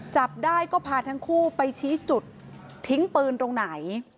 จับได้ก็พาทั้งคู่ไปชี้จุดทิ้งปืนตรงไหน